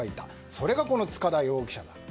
それが、この塚田容疑者だった。